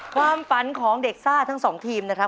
ความฝันของเด็กซ่าทั้งสองทีมนะครับ